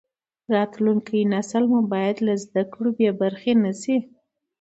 راتلونکی نسل مو باید له زده کړو بې برخې نشي.